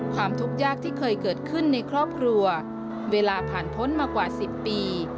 ความทุกข์ยากที่เคยเกิดขึ้นในครอบครัวเวลาผ่านพ้นมากว่า๑๐ปี